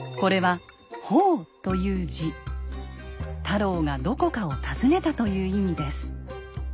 太郎がどこかを訪ねたという意味です。